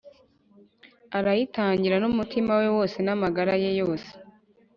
arayitangira n'umutima we wose n'amagara ye yose